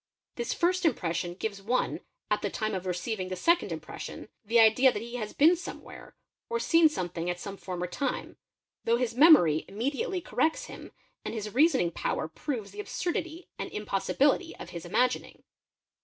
is first impression gives one, at the time of receiving the second impres n, the idea that he has been somewhere, or seen something at some , ne time, though his memory immediately corrects him and his reasoning power proves the.absurdity and impossibility of his imagining.